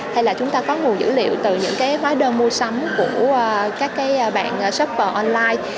hay là chúng ta có nguồn dữ liệu từ những cái hóa đơn mua sắm của các cái bạn shopper online